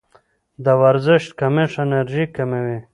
د ورزش کمښت انرژي کموي.